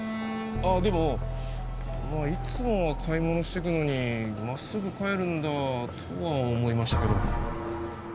でもいつもは買い物してくのに真っすぐ帰るんだとは思いましたけど。